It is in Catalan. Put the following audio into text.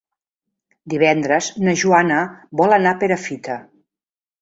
Divendres na Joana vol anar a Perafita.